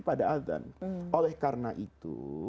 pada azan oleh karena itu